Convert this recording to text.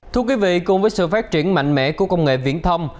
thưa quý vị cùng với sự phát triển mạnh mẽ của công nghệ viễn thông